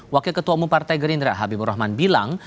wakil ketua umum partai gerindra habibur rahman bilang